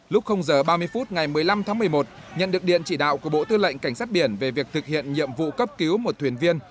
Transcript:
lúc h ba mươi phút ngày một mươi năm tháng một mươi một nhận được điện chỉ đạo của bộ tư lệnh cảnh sát biển về việc thực hiện nhiệm vụ cấp cứu một thuyền viên